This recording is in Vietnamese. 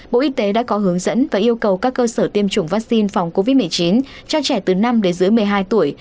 bộ y tế đã có hướng dẫn và yêu cầu các cơ sở tiêm chủng vaccine phòng covid một mươi chín cho trẻ từ năm đến dưới một mươi hai tuổi